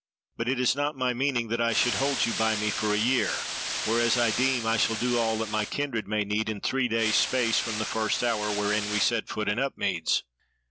But it is not my meaning that I should hold you by me for a year, whereas I deem I shall do all that my kindred may need in three days' space from the first hour wherein we set foot in Upmeads."